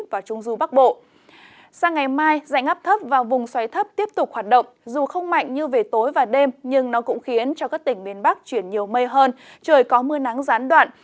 sang ngày mai dạnh ấp thấp và vùng xoáy thấp tiếp tục hoạt động dù không mạnh như về tối và đêm nhưng nó cũng khiến cho các tỉnh miền bắc chuyển nhiều mây hơn trời có mưa nắng gián đoạn